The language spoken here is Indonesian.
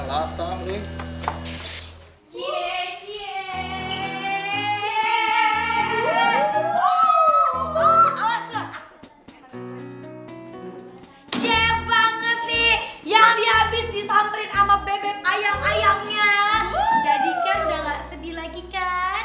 sayangnya jadi kan udah gak sedih lagi kan